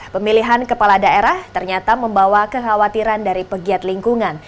pemilihan kepala daerah ternyata membawa kekhawatiran dari pegiat lingkungan